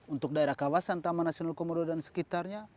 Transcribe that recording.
untuk daerah kawasan taman nasional komodo dan sekitarnya